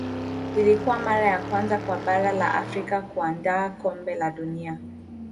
ilikuwa mara ya kwanza kwa bara la afrika kuandaa kombe la dunia